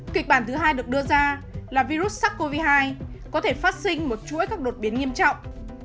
kịch bản thứ hai được đưa ra là virus sars cov hai có thể phát sinh một chuỗi các đột biến nghiêm trọng